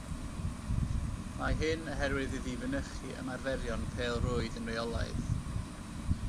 Mae hyn oherwydd iddi fynychu ymarferion pêl-rwyd yn rheolaidd